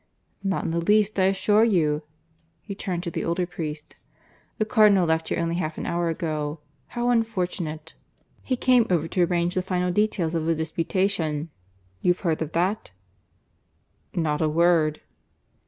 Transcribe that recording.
"Not in the least, I assure you." He turned to the older priest. "The Cardinal left here only half an hour ago. How unfortunate! He came over to arrange the final details of the disputation. You've heard of that?" "Not a word."